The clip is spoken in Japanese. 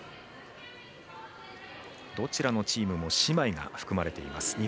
どちらのチームも姉妹が含まれています。